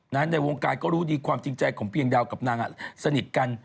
ในวงการก็รู้ดีความจริงใจของเพียงดาวกับนางสนิทกัน